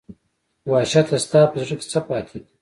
وحشته ستا په زړه کې څـه پاتې دي